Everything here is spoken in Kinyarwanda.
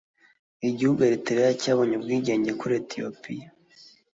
Igihugu cya Eritrea cyabonye ubwigenge kuri Ethiopia